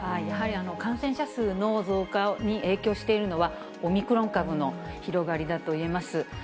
やはり感染者数の増加に影響しているのは、オミクロン株の広がりだといえます。